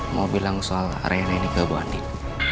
mau bilang soal reina ini ke bu andien